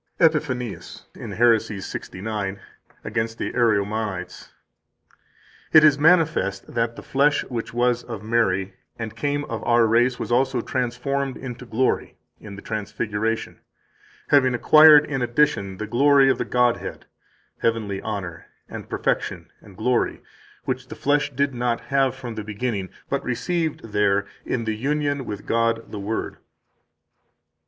] 30 EPIPHANIUS, in Haeresi, 69, (against the Ariomanites), p. 344 (p. 805, ed. Colon.): "It is manifest that the flesh which was of Mary and came of our race was also transformed into glory (in the transfiguration), having acquired, in addition, the glory of the God head, heavenly honor and perfection and glory, which the flesh did not have from the beginning, but received there in the union with God the Word."